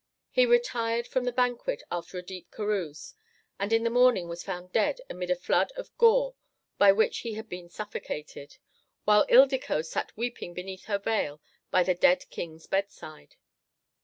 He retired from the banquet after a deep carouse, and in the morning was found dead amid a flood of gore by which he had been suffocated, while Ildico sat weeping beneath her veil by the dead king's bedside.